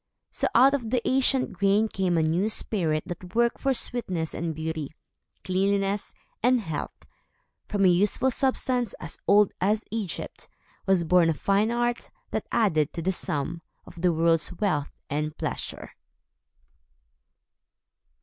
So, out of the ancient grain came a new spirit that worked for sweetness and beauty, cleanliness, and health. From a useful substance, as old as Egypt, was born a fine art, that added to the sum of the world's wealth and pleasure.